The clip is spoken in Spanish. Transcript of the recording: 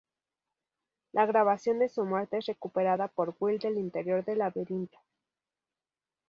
La grabación de su muerte es recuperada por Will del interior del laberinto.